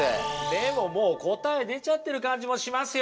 でももう答え出ちゃってる感じもしますよ。